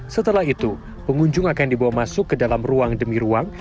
setelah itu pengunjung akan dibawa masuk ke dalam ruang demi ruang